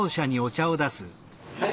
はい。